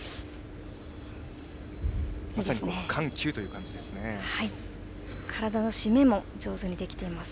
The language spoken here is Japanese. まさに緩急という感じです。